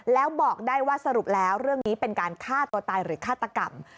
แล้วบอกได้ว่าสรุปแล้วเรื่องนี้เป็นการฆ่าตัวตายหรือฆาตกรรม